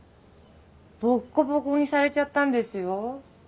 ボッコボコにされちゃったんですよ。